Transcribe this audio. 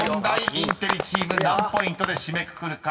インテリチーム何ポイントで締めくくるか。